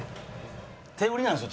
手売りなんですよ